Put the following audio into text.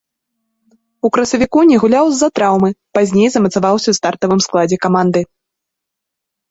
У красавіку не гуляў з-за траўмы, пазней замацаваўся ў стартавым складзе каманды.